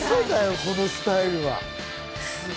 このスタイルは。